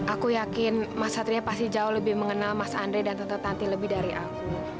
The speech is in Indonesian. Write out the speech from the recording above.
aku yakin mas satria pasti jauh lebih mengenal mas andre dan tante tanti lebih dari aku